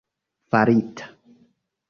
farita